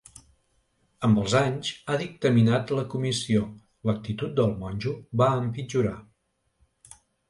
Amb els anys, ha dictaminat la comissió, l’actitud del monjo va empitjorar.